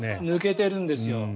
抜けてるんですよ。